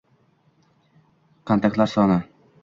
s - kontaktlar soni;